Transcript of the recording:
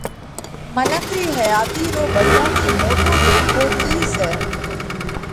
منک رِي حياتِي رو ٻڌون ٿِي موٽو ڌوکو ڪِي سئہ؟